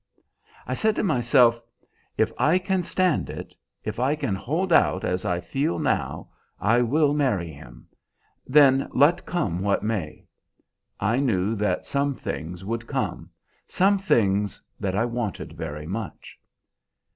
"I said to myself, If I can stand it, if I can hold out as I feel now, I will marry him; then let come what may. I knew that some things would come, some things that I wanted very much.